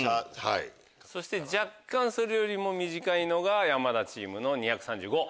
そして若干それよりも短いのが山田チームの２３５。